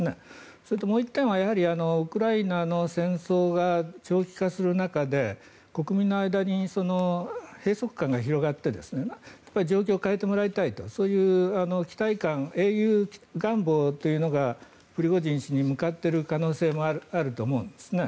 それともう１点は、やはりウクライナの戦争が長期化する中で国民の間に閉塞感が広がって状況を変えてもらいたいとそういう期待感英雄願望というのがプリゴジン氏に向かっている可能性もあると思うんですね。